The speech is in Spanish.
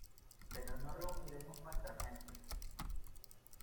pero no reuniremos nuestras gentes.